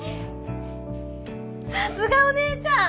さすがお姉ちゃん！